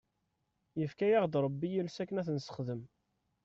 Yefka-aɣ-d Rebbi iles akken ad t-nessexdem.